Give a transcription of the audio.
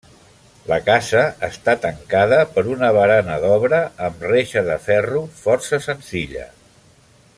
La casa està tancada per una barana d'obra amb reixa de ferro força senzilla.